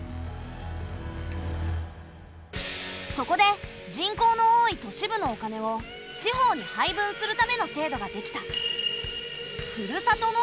そこで人口の多い都市部のお金を地方に配分するための制度ができた。